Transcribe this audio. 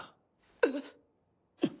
えっ。